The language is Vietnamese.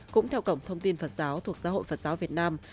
cũng theo cổng thông tin phật giáo thuộc giáo hội phật giáo việt nam